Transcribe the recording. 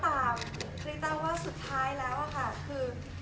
คือเรียกได้ว่าสุดท้ายแล้วค่ะคือ